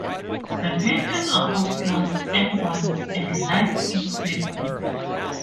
The painting are of plants, animals and life in Sydney.